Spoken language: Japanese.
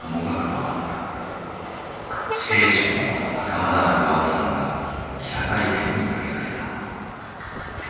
死刑囚の袴田巖さんが記者会見に駆けつけたのだ。